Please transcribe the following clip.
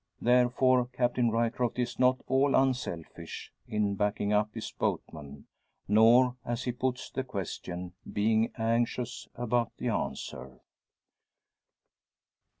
Therefore, Captain Ryecroft is not all unselfish in backing up his boatman; nor, as he puts the question, being anxious about the answer.